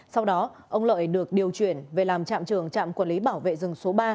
sau đó ông lợi được điều chuyển về làm trạm trưởng trạm quản lý bảo vệ rừng số ba